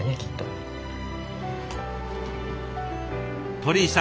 鳥居さん